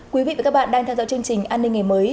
quý vị và các bạn đang theo dõi chương trình an ninh ngày mới